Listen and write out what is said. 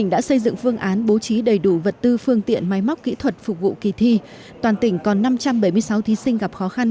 và cái điều đấy đối với em cũng thật sự là một khó khăn